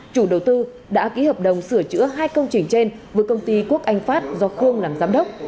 chủ đầu tư đã ký hợp đồng sửa chữa hai công trình trên với công ty quốc anh phát do khương làm giám đốc